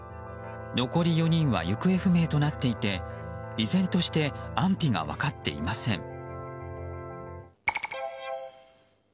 残り４人は行方不明となっていて依然として安否が分かっていません。